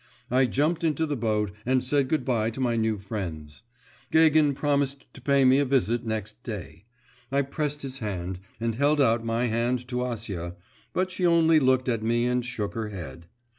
I jumped into the boat, and said good bye to my new friends. Gagin promised to pay me a visit next day; I pressed his hand, and held out my hand to Acia; but she only looked at me and shook her head.